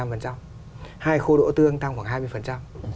hai là khô đỗ tương tăng khoảng hai mươi